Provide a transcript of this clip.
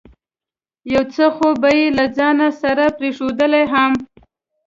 یو څه خو به یې له ځانه سره پرېښودل هم.